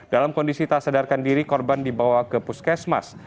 dalam kondisi tak sadarkan diri korban dibawa ke puskesmas